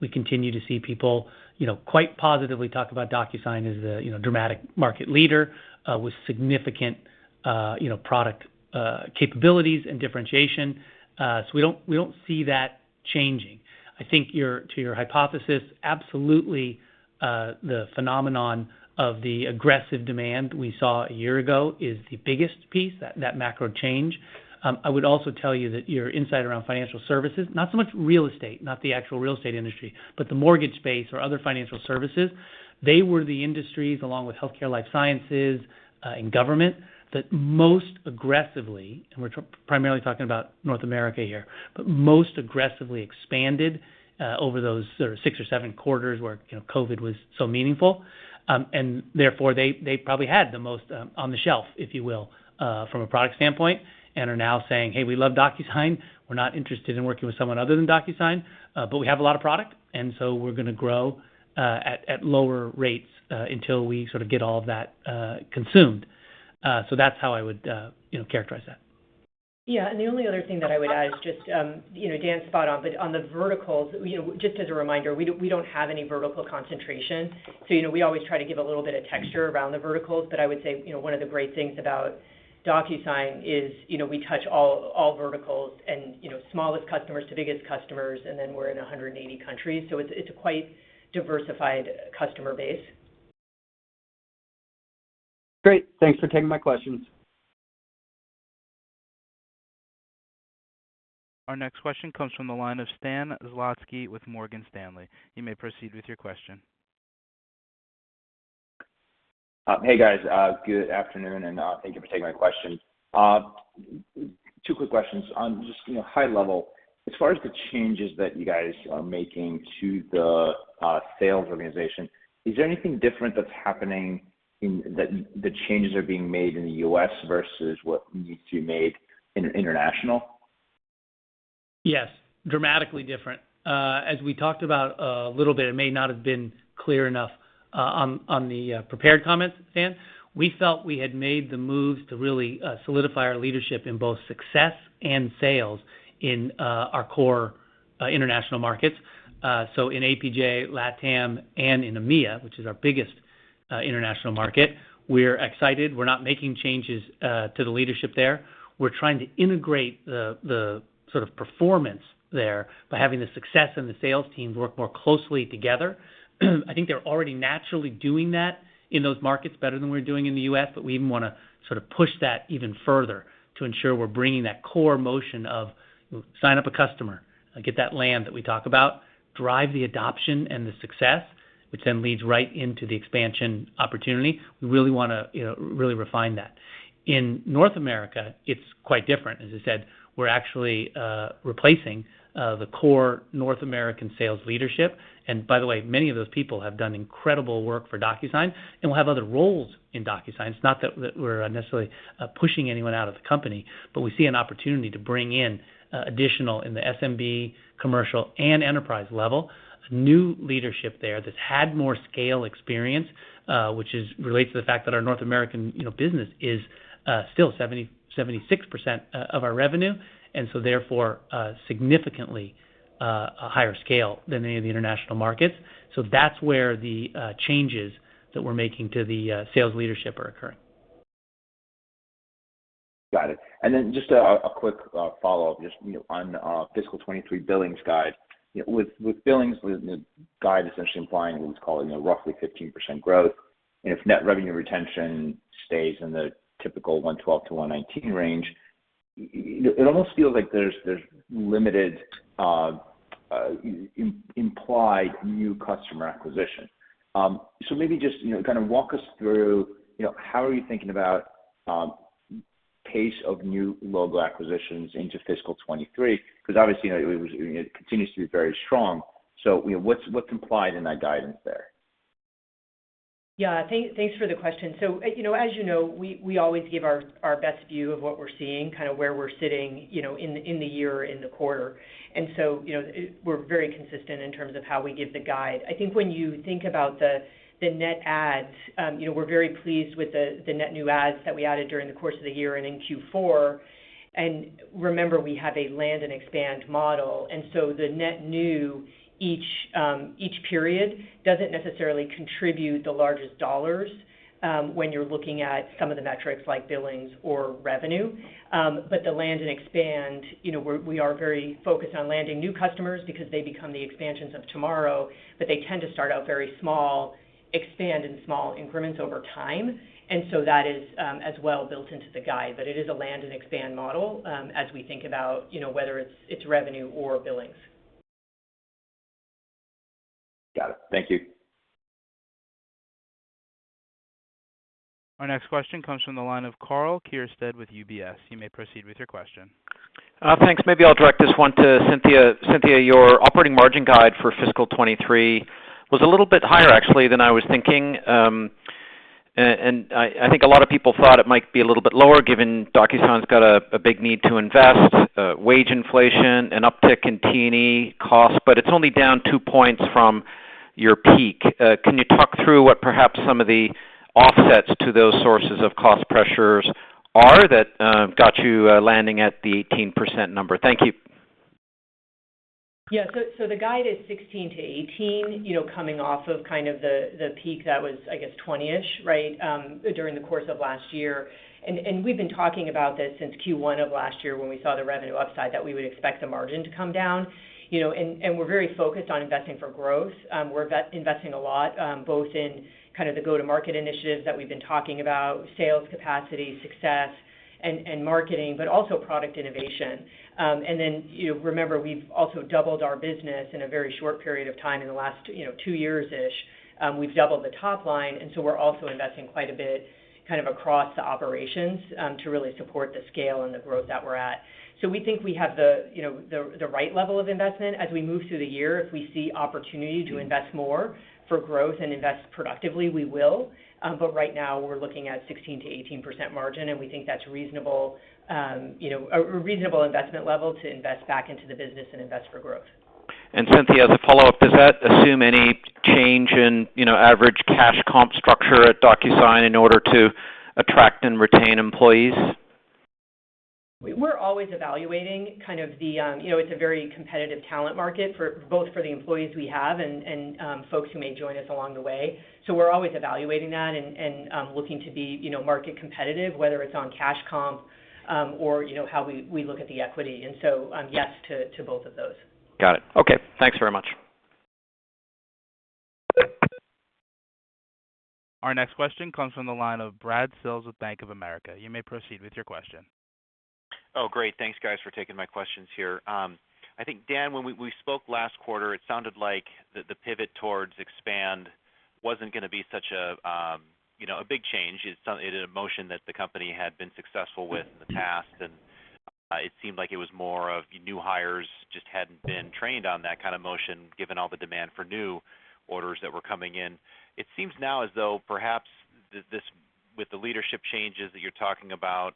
we continue to see people, you know, quite positively talk about DocuSign as a, you know, dramatic market leader with significant, you know, product capabilities and differentiation. We don't see that changing. I think to your hypothesis, absolutely, the phenomenon of the aggressive demand we saw a year ago is the biggest piece, that macro change. I would also tell you that your insight around Financial services, not so much real estate, not the actual Real Estate industry, but the mortgage space or other Financial services, they were the industries along with Healthcare, Life Sciences, and Government that most aggressively, and we're primarily talking about North America here, but most aggressively expanded over those sort of six or seven quarters where, you know, COVID was so meaningful. And therefore, they probably had the most on the shelf, if you will, from a product standpoint, and are now saying, "Hey, we love DocuSign. We're not interested in working with someone other than DocuSign, but we have a lot of product, and so we're gonna grow at lower rates until we sort of get all of that consumed." That's how I would, you know, characterize that. Yeah. The only other thing that I would add is just, you know, Dan's spot on, but on the verticals, you know, just as a reminder, we don't have any vertical concentration. You know, we always try to give a little bit of texture around the verticals, but I would say, you know, one of the great things about DocuSign is, you know, we touch all verticals and, you know, smallest customers to biggest customers, and then we're in 180 countries. It's a quite diversified customer base. Great. Thanks for taking my questions. Our next question comes from the line of Stan Zlotsky with Morgan Stanley. You may proceed with your question. Hey, guys. Good afternoon, and thank you for taking my question. Two quick questions. On just, you know, high level, as far as the changes that you guys are making to the sales organization, is there anything different that's happening in the U.S. versus what needs to be made in international? Yes, dramatically different. As we talked about a little bit, it may not have been clear enough on the prepared comments, Stan. We felt we had made the moves to really solidify our leadership in both success and sales in our core international markets. In APJ, LATAM, and in EMEA, which is our biggest international market, we're excited. We're not making changes to the leadership there. We're trying to integrate the sort of performance there by having the success and the sales teams work more closely together. I think they're already naturally doing that in those markets better than we're doing in the U.S., but we even wanna sort of push that even further to ensure we're bringing that core motion of sign up a customer, get that land that we talk about, drive the adoption and the success, which then leads right into the expansion opportunity. We really wanna, you know, really refine that. In North America, it's quite different. As I said, we're actually replacing the core North American sales leadership. By the way, many of those people have done incredible work for DocuSign, and will have other roles in DocuSign. It's not that we're necessarily pushing anyone out of the company, but we see an opportunity to bring in additional in the SMB, commercial, and enterprise level, new leadership there that's had more scale experience, which is related to the fact that our North American, you know, business is still 76% of our revenue, and so therefore, significantly a higher scale than any of the international markets. That's where the changes that we're making to the sales leadership are occurring. Got it. Just a quick follow-up just, you know, on fiscal 2023 billings guide. You know, with billings, with the guide essentially implying what it's calling a roughly 15% growth, and if net revenue retention stays in the typical 112%-119% range, it almost feels like there's limited implied new customer acquisition. Maybe just, you know, kind of walk us through, you know, how are you thinking about pace of new logo acquisitions into fiscal 2023? Because obviously, you know, it was, it continues to be very strong. You know, what's implied in that guidance there? Yeah. Thanks for the question. You know, as you know, we always give our best view of what we're seeing, kind of where we're sitting, you know, in the year or in the quarter. We're very consistent in terms of how we give the guide. I think when you think about the net adds, you know, we're very pleased with the net new adds that we added during the course of the year and in Q4. Remember, we have a land and expand model, and so the net new each period doesn't necessarily contribute the largest dollars when you're looking at some of the metrics like billings or revenue. The land and expand, you know, we are very focused on landing new customers because they become the expansions of tomorrow, but they tend to start out very small, expand in small increments over time. That is as well built into the guide. It is a land and expand model, as we think about, you know, whether it's revenue or billings. Got it. Thank you. Our next question comes from the line of Karl Keirstead with UBS. You may proceed with your question. Thanks. Maybe I'll direct this one to Cynthia. Cynthia, your operating margin guide for fiscal 2023 was a little bit higher, actually, than I was thinking. I think a lot of people thought it might be a little bit lower given DocuSign's got a big need to invest, wage inflation, an uptick in TE cost, but it's only down two points from your peak. Can you talk through what perhaps some of the offsets to those sources of cost pressures are that got you landing at the 18% number? Thank you. The guide is 16%-18%, you know, coming off of kind of the peak that was, I guess, 20%-ish, right, during the course of last year. We've been talking about this since Q1 of last year when we saw the revenue upside that we would expect the margin to come down, you know. We're very focused on investing for growth. We're investing a lot, both in kind of the go-to-market initiatives that we've been talking about, sales, capacity, success, and marketing, but also product innovation. Remember, we've also doubled our business in a very short period of time in the last two years-ish. We've doubled the top line, and so we're also investing quite a bit kind of across the operations to really support the scale and the growth that we're at. We think we have the, you know, the right level of investment. As we move through the year, if we see opportunity to invest more for growth and invest productively, we will. Right now, we're looking at 16%-18% margin, and we think that's reasonable, you know, a reasonable investment level to invest back into the business and invest for growth. Cynthia, as a follow-up, does that assume any change in, you know, average cash comp structure at DocuSign in order to attract and retain employees? We're always evaluating kind of the. You know, it's a very competitive talent market for both the employees we have and folks who may join us along the way. We're always evaluating that and looking to be you know market competitive, whether it's on cash comp or you know how we look at the equity. Yes to both of those. Got it. Okay. Thanks very much. Our next question comes from the line of Brad Sills with Bank of America. You may proceed with your question. Oh, great. Thanks, guys, for taking my questions here. I think, Dan, when we spoke last quarter, it sounded like the pivot towards expand wasn't gonna be such a, you know, a big change. It is a motion that the company had been successful with in the past, and it seemed like it was more of new hires just hadn't been trained on that kind of motion given all the demand for new orders that were coming in. It seems now as though perhaps this with the leadership changes that you're talking about,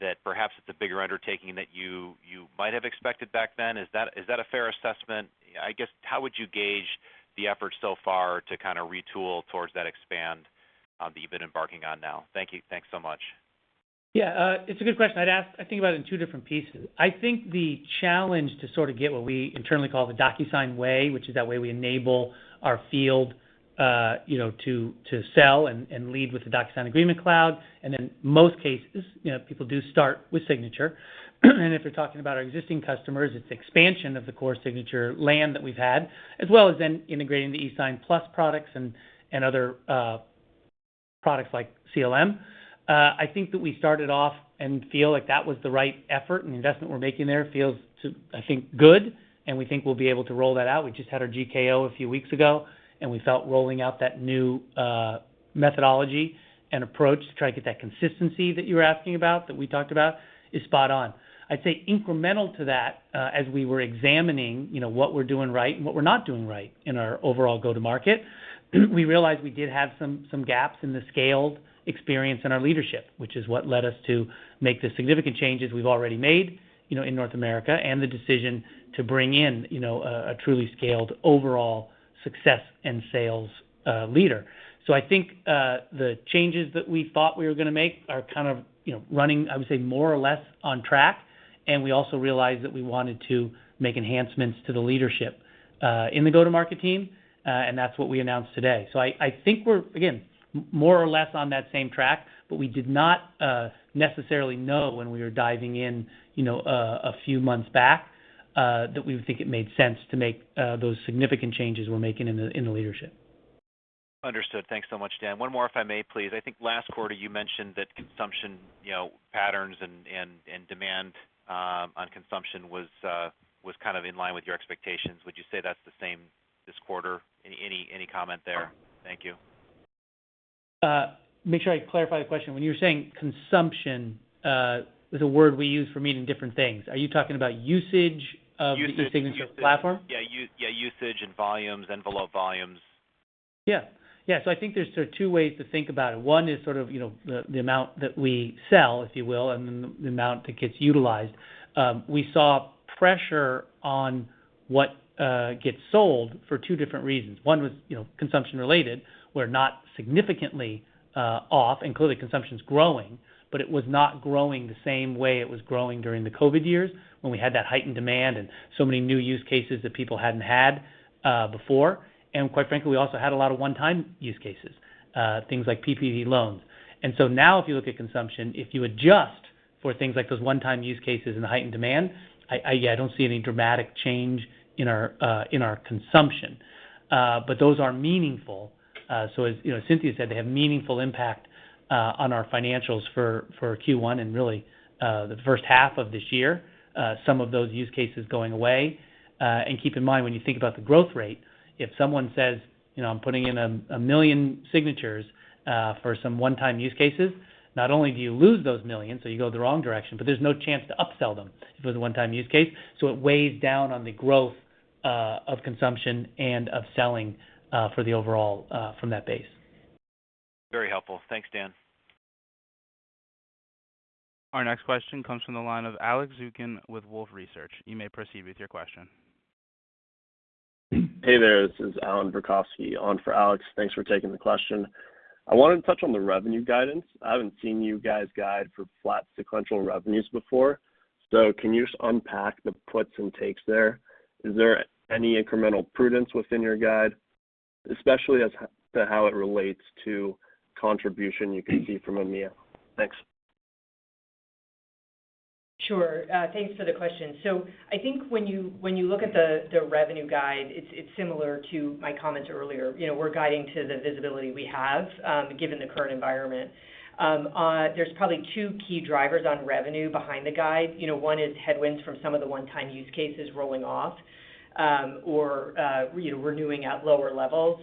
that perhaps it's a bigger undertaking that you might have expected back then. Is that a fair assessment? I guess, how would you gauge the effort so far to kinda retool towards that expand that you've been embarking on now? Thank you. Thanks so much. Yeah. It's a good question. I think about it in two different pieces. I think the challenge to sorta get what we internally call the DocuSign Way, which is that way we enable our field to sell and lead with the DocuSign Agreement Cloud, and in most cases, people do start with eSignature. If you're talking about our existing customers, it's expansion of the core eSignature land that we've had, as well as then integrating the eSignature Plus products and other products like CLM. I think that we started off and feel like that was the right effort, and the investment we're making there feels good, and we think we'll be able to roll that out. We just had our GKO a few weeks ago, and we felt rolling out that new methodology and approach to try to get that consistency that you're asking about, that we talked about, is spot on. I'd say incremental to that, as we were examining, you know, what we're doing right and what we're not doing right in our overall go-to-market, we realized we did have some gaps in the scaled experience in our leadership, which is what led us to make the significant changes we've already made, you know, in North America, and the decision to bring in, you know, a truly scaled overall success and sales leader. I think the changes that we thought we were gonna make are kind of, you know, running, I would say, more or less on track, and we also realized that we wanted to make enhancements to the leadership in the go-to-market team, and that's what we announced today. I think we're, again, more or less on that same track, but we did not necessarily know when we were diving in, you know, a few months back, that we would think it made sense to make those significant changes we're making in the leadership. Understood. Thanks so much, Dan. One more if I may, please. I think last quarter you mentioned that consumption, you know, patterns and demand on consumption was kind of in line with your expectations. Would you say that's the same this quarter? Any comment there? Thank you. Make sure I clarify the question. When you're saying consumption is a word we use for meaning different things. Are you talking about usage of. Usage The eSignature platform? Yeah, usage and volumes, envelope volumes. I think there's sort of two ways to think about it. One is sort of the amount that we sell, if you will, and the amount that gets utilized. We saw pressure on what gets sold for two different reasons. One was consumption-related. We're not significantly off, and clearly consumption's growing, but it was not growing the same way it was growing during the COVID years when we had that heightened demand and so many new use cases that people hadn't had before. Quite frankly, we also had a lot of one-time use cases, things like PPP loans. Now if you look at consumption, if you adjust for things like those one-time use cases and the heightened demand, I don't see any dramatic change in our consumption. Those are meaningful. As you know, Cynthia said, they have meaningful impact on our financials for Q1 and really the first half of this year, some of those use cases going away. Keep in mind, when you think about the growth rate, if someone says, you know, I'm putting in a million signatures for some one-time use cases, not only do you lose those millions, so you go the wrong direction, but there's no chance to upsell them if it was a one-time use case. It weighs down on the growth of consumption and of selling for the overall from that base. Very helpful. Thanks, Dan. Our next question comes from the line of Alex Zukin with Wolfe Research. You may proceed with your question. Hey there, this is Allan Verkhovski on for Alex. Thanks for taking the question. I wanted to touch on the revenue guidance. I haven't seen you guys guide for flat sequential revenues before, so can you just unpack the puts and takes there? Is there any incremental prudence within your guide, especially as to how it relates to contribution you can see from EMEA? Thanks. Sure. Thanks for the question. I think when you look at the revenue guide, it's similar to my comments earlier. You know, we're guiding to the visibility we have, given the current environment. There's probably two key drivers on revenue behind the guide. You know, one is headwinds from some of the one-time use cases rolling off, or you know, renewing at lower levels.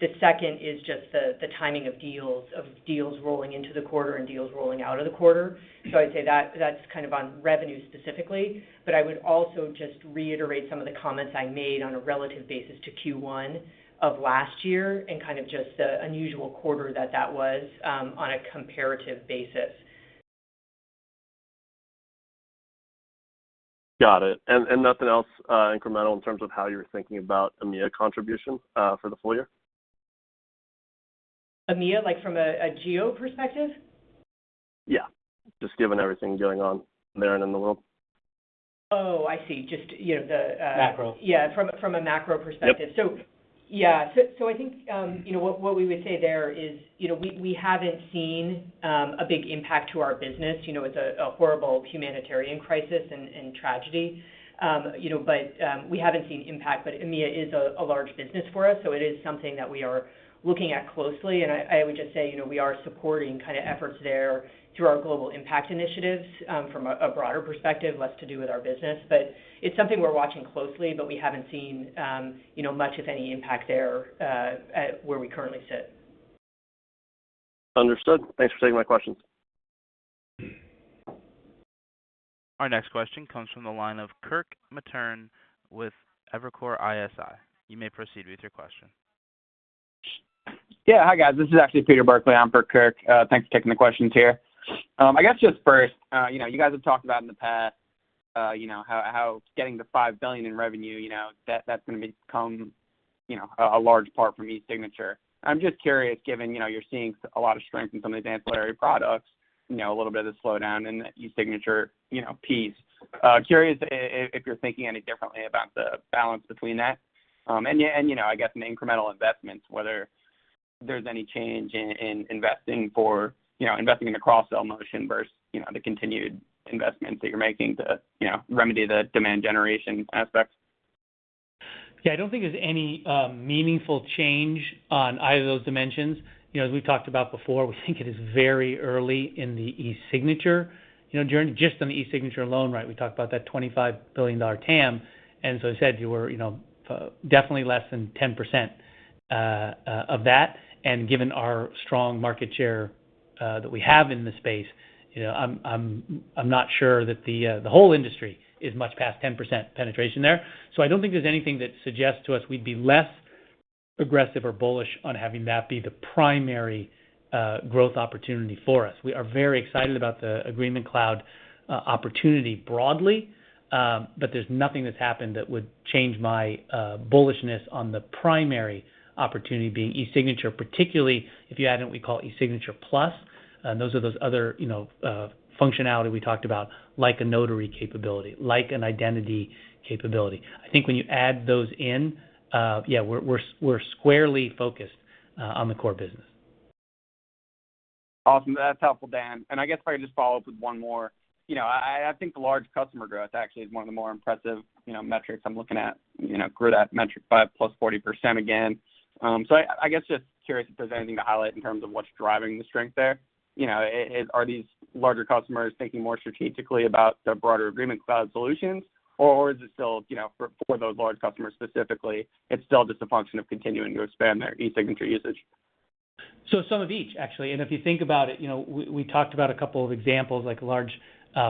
The second is just the timing of deals rolling into the quarter and deals rolling out of the quarter. So I'd say that's kind of on revenue specifically. I would also just reiterate some of the comments I made on a relative basis to Q1 of last year and kind of just the unusual quarter that was, on a comparative basis. Got it. Nothing else incremental in terms of how you're thinking about EMEA contribution for the full year? EMEA, like from a geo perspective? Yeah. Just given everything going on there and in the world. Oh, I see. Just, you know, the Macro. Yeah, from a macro perspective. Yep. I think you know, what we would say there is, you know, we haven't seen a big impact to our business. You know, it's a horrible humanitarian crisis and tragedy. You know, we haven't seen impact. EMEA is a large business for us, so it is something that we are looking at closely. I would just say, you know, we are supporting kind of efforts there through our global impact initiatives, from a broader perspective, less to do with our business. It's something we're watching closely. We haven't seen you know, much of any impact there, at where we currently sit. Understood. Thanks for taking my questions. Our next question comes from the line of Kirk Materne with Evercore ISI. You may proceed with your question. Yeah. Hi, guys. This is actually Peter Burkly on for Kirk. Thanks for taking the questions here. I guess just first, you know, you guys have talked about in the past, you know, how getting to $5 billion in revenue, you know, that's gonna become, you know, a large part from eSignature. I'm just curious, given, you know, you're seeing a lot of strength in some of these ancillary products, you know, a little bit of the slowdown in the eSignature, you know, piece. Curious if you're thinking any differently about the balance between that. Yeah, and you know, I guess in the incremental investments, whether there's any change in investing for, you know, investing in the cross-sell motion versus, you know, the continued investments that you're making to, you know, remedy the demand generation aspects. Yeah, I don't think there's any meaningful change on either of those dimensions. You know, as we've talked about before, we think it is very early in the eSignature. You know, just on the eSignature alone, right, we talked about that $25 billion TAM, and so as I said, we're, you know, definitely less than 10% of that. Given our strong market share that we have in the space, you know, I'm not sure that the whole industry is much past 10% penetration there. I don't think there's anything that suggests to us we'd be less aggressive or bullish on having that be the primary growth opportunity for us. We are very excited about the Agreement Cloud opportunity broadly, but there's nothing that's happened that would change my bullishness on the primary opportunity being eSignature, particularly if you add in what we call eSignature Plus. Those are other functionality we talked about, like a notary capability, like an identity capability. I think when you add those in, yeah, we're squarely focused on the core business. Awesome. That's helpful, Dan. I guess if I could just follow up with one more. You know, I think the large customer growth actually is one of the more impressive, you know, metrics I'm looking at. You know, grew that metric by +40% again. I guess just curious if there's anything to highlight in terms of what's driving the strength there. You know, are these larger customers thinking more strategically about the broader Agreement Cloud solutions, or is it still, you know, for those large customers specifically, it's still just a function of continuing to expand their eSignature usage? Some of each actually. If you think about it, you know, we talked about a couple of examples like a large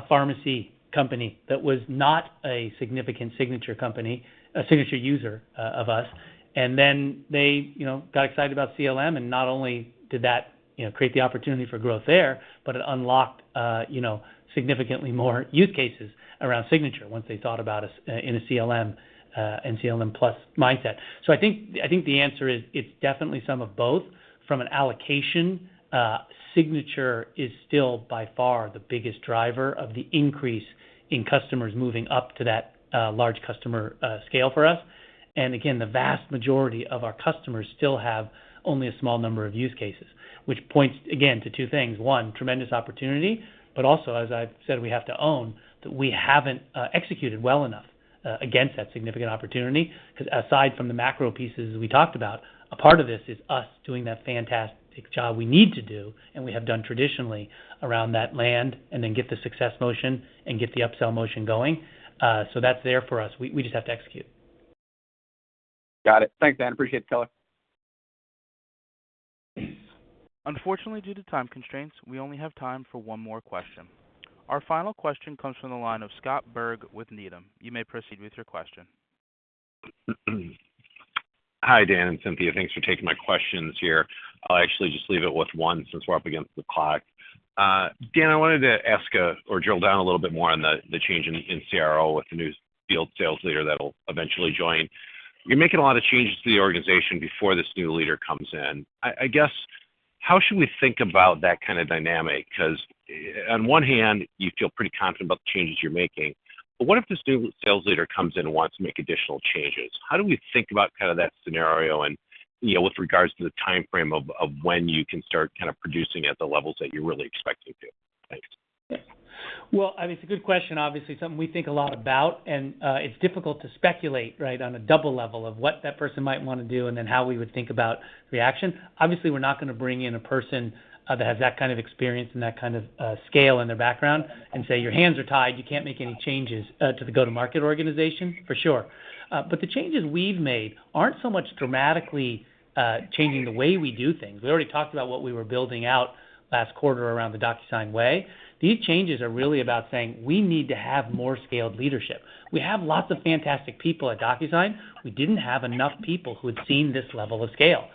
Pharmacy company that was not a significant signature company, a signature user of us. They, you know, got excited about CLM and not only did that, you know, create the opportunity for growth there, but it unlocked you know, significantly more use cases around signature once they thought about us in a CLM and CLM Plus mindset. I think the answer is it's definitely some of both. From an allocation, signature is still by far the biggest driver of the increase in customers moving up to that large customer scale for us. Again, the vast majority of our customers still have only a small number of use cases, which points, again, to two things. One, tremendous opportunity, but also, as I've said we have to own, that we haven't executed well enough against that significant opportunity. 'Cause aside from the macro pieces we talked about, a part of this is us doing that fantastic job we need to do and we have done traditionally around that land and then get the success motion and get the upsell motion going. That's there for us. We just have to execute. Got it. Thanks, Dan. Appreciate you telling. Unfortunately, due to time constraints, we only have time for one more question. Our final question comes from the line of Scott Berg with Needham. You may proceed with your question. Hi, Dan and Cynthia. Thanks for taking my questions here. I'll actually just leave it with one since we're up against the clock. Dan, I wanted to drill down a little bit more on the change in CRO with the new field sales leader that'll eventually join. You're making a lot of changes to the organization before this new leader comes in. I guess, how should we think about that kind of dynamic? 'Cause on one hand, you feel pretty confident about the changes you're making, but what if this new sales leader comes in and wants to make additional changes? How do we think about kind of that scenario and, you know, with regards to the timeframe of when you can start kind of producing at the levels that you're really expecting to? Thanks. Well, I mean, it's a good question, obviously something we think a lot about, and it's difficult to speculate, right, on a double level of what that person might wanna do and then how we would think about reaction. Obviously, we're not gonna bring in a person that has that kind of experience and that kind of scale in their background and say, "Your hands are tied. You can't make any changes to the go-to-market organization," for sure. The changes we've made aren't so much dramatically changing the way we do things. We already talked about what we were building out last quarter around the DocuSign Way. These changes are really about saying, "We need to have more scaled leadership." We have lots of fantastic people at DocuSign. We didn't have enough people who had seen this level of scale.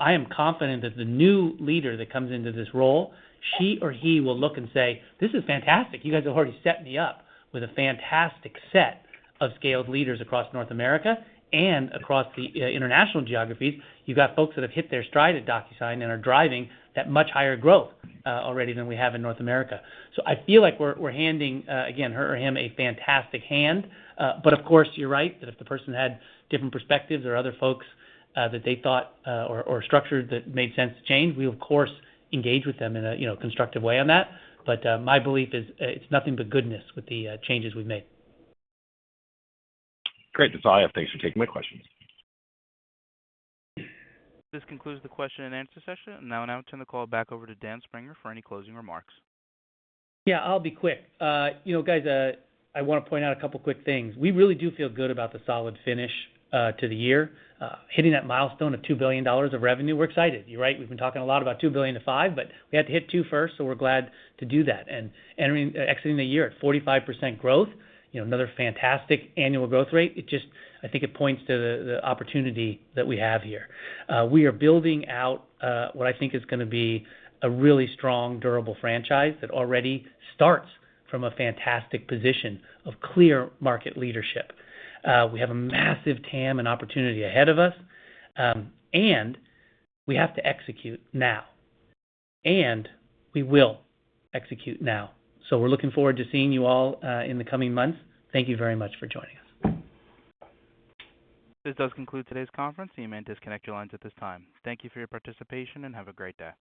I am confident that the new leader that comes into this role, she or he will look and say, "This is fantastic. You guys have already set me up with a fantastic set of scaled leaders across North America and across the international geographies." You've got folks that have hit their stride at DocuSign and are driving that much higher growth already than we have in North America. I feel like we're handing again her or him a fantastic hand. Of course, you're right, that if the person had different perspectives or other folks that they thought or structured that made sense to change, we of course engage with them in a you know, constructive way on that. My belief is, it's nothing but goodness with the changes we've made. Great. That's all I have. Thanks for taking my questions. This concludes the question and answer session. Now I turn the call back over to Dan Springer for any closing remarks. Yeah, I'll be quick. You know, guys, I wanna point out a couple quick things. We really do feel good about the solid finish to the year. Hitting that milestone of $2 billion of revenue, we're excited. You're right, we've been talking a lot about $2 billion-$5 billion, but we had to hit two first, so we're glad to do that. Exiting the year at 45% growth, you know, another fantastic annual growth rate. It just I think it points to the opportunity that we have here. We are building out what I think is gonna be a really strong, durable franchise that already starts from a fantastic position of clear market leadership. We have a massive TAM and opportunity ahead of us, and we have to execute now. We will execute now. We're looking forward to seeing you all in the coming months. Thank you very much for joining us. This does conclude today's conference. You may disconnect your lines at this time. Thank you for your participation, and have a great day.